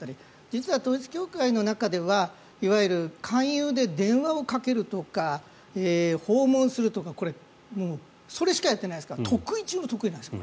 実は統一教会の中ではいわゆる勧誘で電話をかけるとか訪問するとか、これもうそれしかやっていないですから得意中の得意なんです。